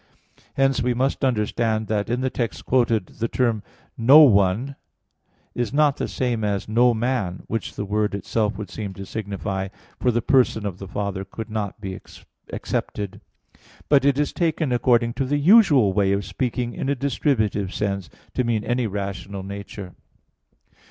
Hence we must understand that in the text quoted the term "no one" [*Nemo = non homo, i.e. no man] is not the same as "no man," which the word itself would seem to signify (for the person of the Father could not be excepted), but is taken according to the usual way of speaking in a distributive sense, to mean any rational nature.